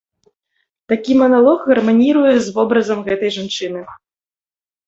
Такі маналог гарманіруе з вобразам гэтай жанчыны.